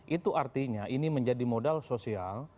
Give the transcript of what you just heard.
itu artinya ini menjadi modal sosial